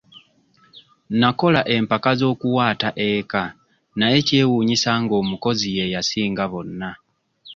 Nakola empaka z'okuwata eka naye kyewuunyisa ng'omukozi ye yasinga bonna.